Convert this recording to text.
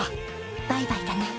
バイバイだね